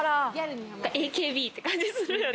ＡＫＢって感じするよね。